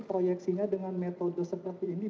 proyeksinya dengan metode seperti ini